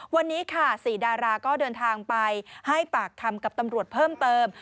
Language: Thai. วันนี้ค่ะ๔ดาราก็เดินทางไปให้ปากคำกับตำรวจเพิ่มเติม